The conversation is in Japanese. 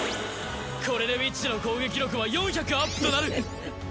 これでウィッチの攻撃力は４００アップとなる！